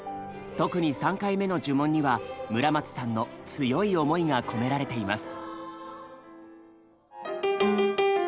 特に３回目の呪文には村松さんの強い思いが込められています。